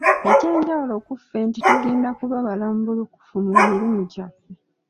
Ekyenjawulo kuffe nti tugenda kuba balambulukufu mu mirimu gyaffe.